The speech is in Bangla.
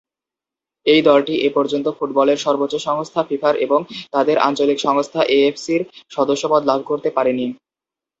এই দলটি এপর্যন্ত ফুটবলের সর্বোচ্চ সংস্থা ফিফার এবং তাদের আঞ্চলিক সংস্থা এএফসির সদস্যপদ লাভ করতে পারেনি।